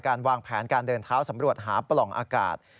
วางแผนการเดินเท้าสำรวจหาปล่องอากาศ